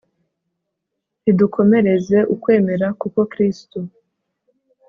ridukomereze ukwemera, kuko kristu